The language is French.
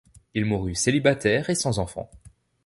Il mourut célibataire et sans enfants.